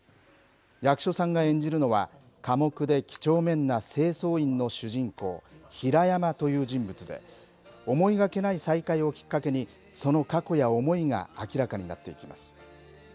役所さんが演じるのは、寡黙できちょうめんな清掃員の主人公、平山という人物で、思いがけない再会をきっかけに、その過去や思いが明らかになっていきます。